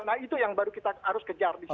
nah itu yang baru kita harus kejar di situ